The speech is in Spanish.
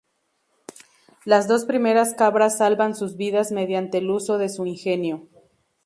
Las dos primeras cabras salvan sus vidas mediante el uso de su ingenio.